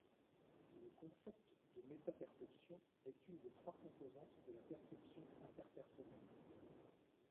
Le concept de méta-perception est une des trois composantes de la perception interpersonnelle.